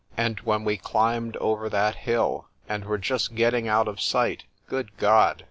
——and when we climbed over that hill, and were just getting out of sight—good God!